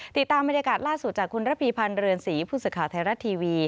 ติดตามบรรยากาศล่าสุดจากคุณระพีพันธ์เรือนศรีผู้สื่อข่าวไทยรัฐทีวี